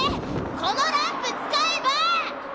このランプつかえば！